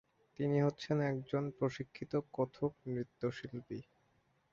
তিনি হচ্ছেন একজন প্রশিক্ষিত কত্থক নৃত্যশিল্পী।